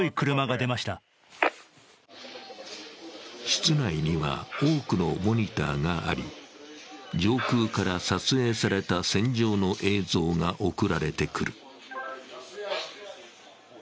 室内には多くのモニターがあり、上空から撮影された戦場の映像が送られてくる。